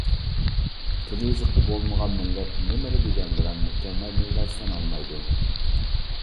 تىل-يېزىقى بولمىغان مىللەت نېمىلا دېگەن بىلەن مۇكەممەل مىللەت سانالمايدۇ.